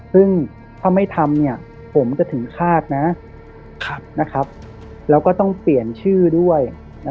ซึ่งถ้าไม่ทำผมจะถึงฆาตนะแล้วก็ต้องเปลี่ยนชื่อด้วย